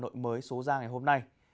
hà nội mới số ra ngày hôm nay